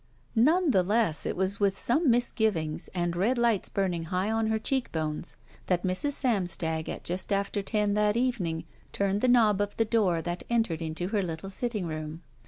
None the less, it was with some misgivings and red lights burning high on her cheek bones that Mrs. Samstag at just after ten that evening turned the knob of the door that entered into her Uttle sitting room.